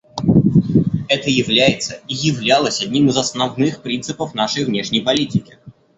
Это является и являлось одним из основных принципов нашей внешней политики.